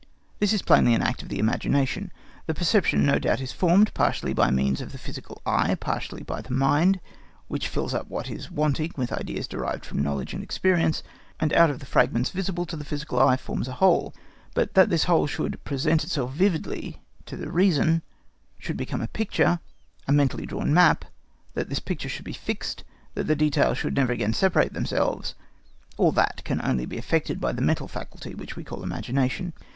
This is plainly an act of the imagination. The perception no doubt is formed partly by means of the physical eye, partly by the mind, which fills up what is wanting with ideas derived from knowledge and experience, and out of the fragments visible to the physical eye forms a whole; but that this whole should present itself vividly to the reason, should become a picture, a mentally drawn map, that this picture should be fixed, that the details should never again separate themselves—all that can only be effected by the mental faculty which we call imagination.